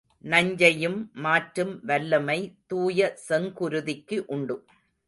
நஞ்சையும் மாற்றும் வல்லமை தூய செங்குருதிக்கு உண்டு.